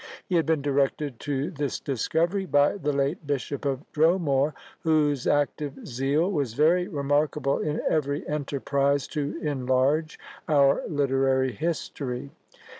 He had been directed to this discovery by the late Bishop of Dromore, whose active zeal was very remarkable in every enterprise to enlarge our literary history.